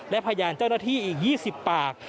และพยานเจ้าหน้าที่อีก๒๐ปาก